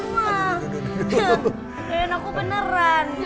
kayaknya aku beneran